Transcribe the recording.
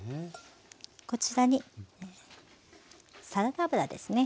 こちらにサラダ油ですね。